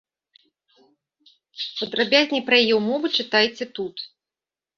Падрабязней пра яе ўмовы чытайце тут.